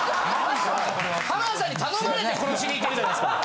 浜田さんに頼まれて殺しに行ってるじゃないですか。